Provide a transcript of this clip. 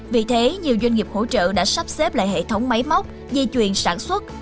vì thế nhiều doanh nghiệp hỗ trợ đã sắp xếp lại hệ thống máy móc dây chuyền sản xuất